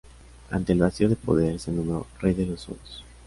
Ante el vacío de poder, se nombró rey de los suevos.